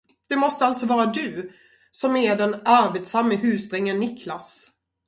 Det måste alltså vara du, som är den arbetsamme husdrängen Niklas?